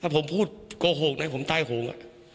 ผมพูดโกหกนะผมตายโหง